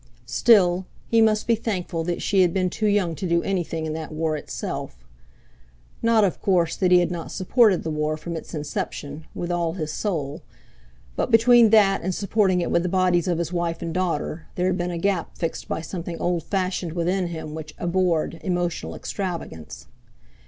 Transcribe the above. Still, he must be thankful that she had been too young to do anything in that War itself. Not, of course, that he had not supported the War from its inception, with all his soul, but between that and supporting it with the bodies of his wife and daughter, there had been a gap fixed by something old fashioned within him which abhorred emotional extravagance.